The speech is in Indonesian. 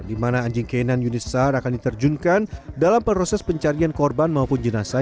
dimana anjing k sembilan unit sar akan diterjunkan dalam proses pencarian korban maupun jenazah